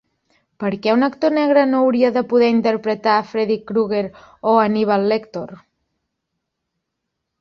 Per què un actor negre no hauria de poder interpretar Freddy Krueger o Hannibal Lector?